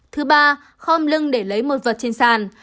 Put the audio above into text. thứ ba khom lưng để lấy một vật trên sàn